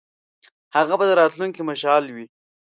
هغه به د راتلونکي مشعل وي.